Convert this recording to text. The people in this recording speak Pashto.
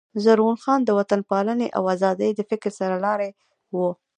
زرغون خان د وطن پالني او آزادۍ د فکر سر لاری وو.